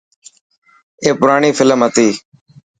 اي پراڻي فلم هتي.